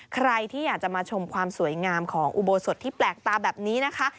ใครที่อยากจะมาชมความสวยงามของอุโบสถที่แปลกตาแบบนี้นะคะ